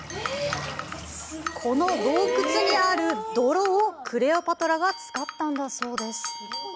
この洞窟にある泥をクレオパトラが使ったんだそうです。